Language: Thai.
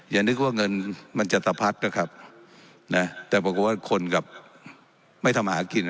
อย่านึกว่าเงินมันจะสะพัดนะครับนะแต่ปรากฏว่าคนกับไม่ทำอาหารกิน